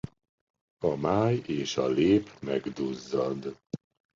A máj és a lép megduzzad.